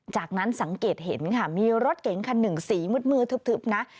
จากนั้นสังเกตเห็นค่ะมีรถเก๋งคันหนึ่งสีมืดทึบนะ